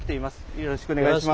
よろしくお願いします。